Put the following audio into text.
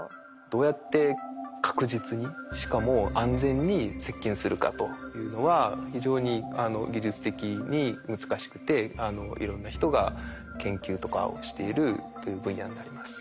どうやって確実にしかも安全に接近するかというのは非常に技術的に難しくていろんな人が研究とかをしているという分野になります。